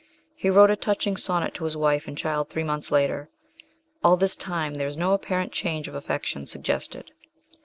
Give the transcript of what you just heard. He wrote a touching sonnet to his wife and child three months later. All this time there is no apparent change of affection suggested.